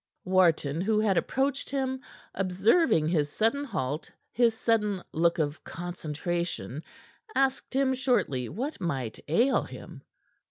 Wharton, who had approached him, observing his sudden halt, his sudden look of concentration, asked him shortly what might ail him.